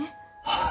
ああ。